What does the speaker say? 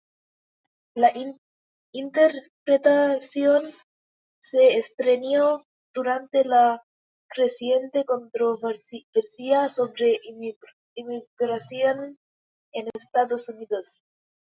La interpretación se estrenó durante la creciente controversia sobre inmigración en Estados Unidos.